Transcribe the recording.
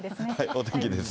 お天気です。